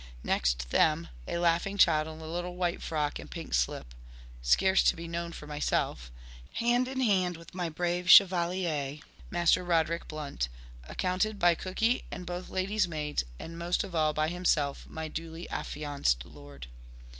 Next them, a laughing child in a little white frock and pink slip (scarce to be known for myself), hand in hand with my brave chevalier, Master Roderick Blount, accounted by Cooky and both lady's maids, and most of all by himself, my duly affianced lord.